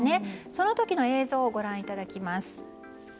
その時の映像をご覧いただきます。